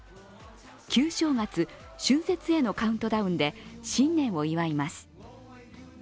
旧正月、春節へのカウントダウンで新年を祝います。